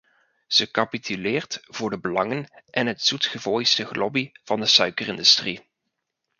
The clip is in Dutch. Ze capituleert voor de belangen en het zoetgevooisde gelobby van de suikerindustrie.